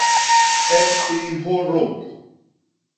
E i nhôdôp.